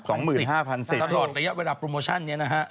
ตลอดระยะเวลาโปรโมชั่นนี้นะฮะ